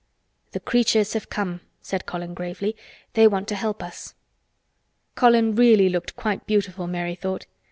"The 'creatures' have come," said Colin gravely. "They want to help us." Colin really looked quite beautiful, Mary thought.